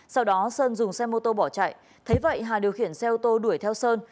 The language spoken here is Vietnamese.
sau đó sơn dùng xe mô tô bỏ chạy thấy vậy hà điều khiển xe ô tô đuổi theo sơn